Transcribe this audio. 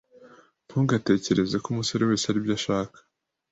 Ntugatekerezeko umusore wese aribyo ashaka